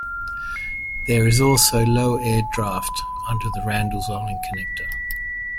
There is also low air draft under the Randalls Island Connector.